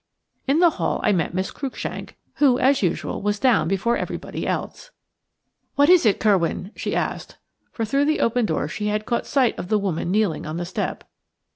In the hall I met Miss Cruikshank, who, as usual, was down before everybody else. "What is it, Curwen?" she asked, for through the open door she had caught sight of the woman kneeling on the step.